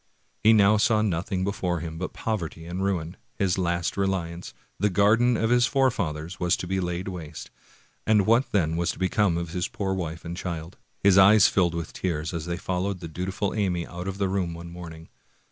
He now saw nothing before him but poverty and ruin; his last reliance, the garden of his fore fathers, was to be laid waste, and what then was to become of his poor wife and child? His eyes filled with tears as they followed the dutiful Amy out of the room one morning.